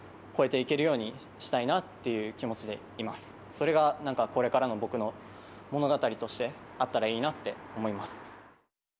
それがこれからの僕の物語としてあったらいいなって思います。